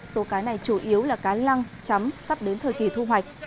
số cá này chủ yếu là cá lăng chấm sắp đến thời kỳ thu hoạch